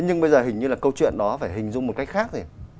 nhưng bây giờ hình như là câu chuyện nó phải hình dung một cách khác rồi